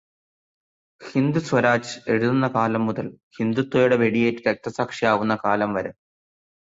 ഹിന്ദ് സ്വരാജ് എഴുതുന്ന കാലം മുതല് ഹിന്ദുത്വയുടെ വെടിയേറ്റു രക്തസാക്ഷിയാവുന്ന കാലം വരെ